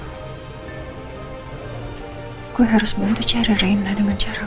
aku harus bantu cari rina dengan cara